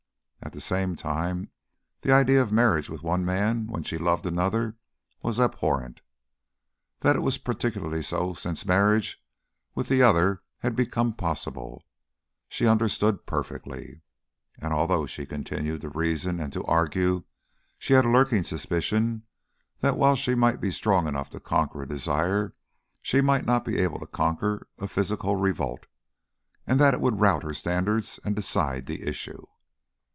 At the same time the idea of marriage with one man when she loved another was abhorrent; that it was particularly so since marriage with the other had become possible, she understood perfectly. And although she continued to reason and to argue, she had a lurking suspicion that while she might be strong enough to conquer a desire she might not be able to conquer a physical revolt, and that it would rout her standards and decide the issue.